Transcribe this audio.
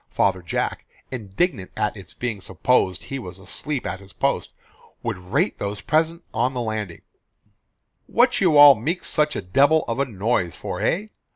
Father Jack, indignant at its being supposed he was asleep at his post, would rate those present on his landing, "What you all meek such a debil of a noise for, hey?